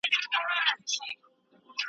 مګر که د پیغام له اړخه ورته وکتل سي .